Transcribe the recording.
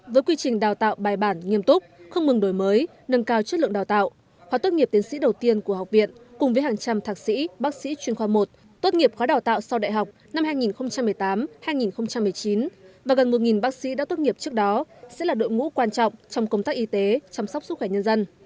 với quy trình đào tạo bài bản nghiêm túc không mừng đổi mới nâng cao chất lượng đào tạo khóa tốt nghiệp tiến sĩ đầu tiên của học viện cùng với hàng trăm thạc sĩ bác sĩ chuyên khoa một tốt nghiệp khóa đào tạo sau đại học năm hai nghìn một mươi tám hai nghìn một mươi chín và gần một bác sĩ đã tốt nghiệp trước đó sẽ là đội ngũ quan trọng trong công tác y tế chăm sóc sức khỏe nhân dân